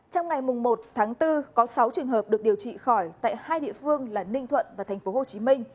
trong ngày một tháng bốn có sáu trường hợp được điều trị khỏi tại hai địa phương là ninh thuận và tp hcm